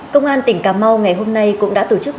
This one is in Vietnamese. công an tỉnh cà mau ngày hôm nay cũng đã tổ chức hội